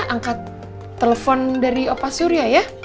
angkat telepon dari pak surya ya